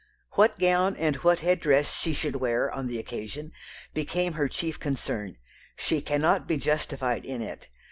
"What gown and what head dress she should wear on the occasion became her chief concern. She cannot be justified in it.